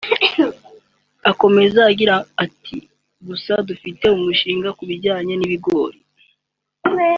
Akomeza agira ati “Gusa dufite umushinga ku bijyanye n’ibagiro